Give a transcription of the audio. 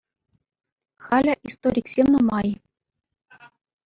Халӗ историксем нумай.